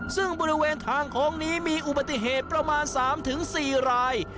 ซึ่งบริเวณทางโค้งนี้มีอุบัติเหตุประมาณ๓๔ราย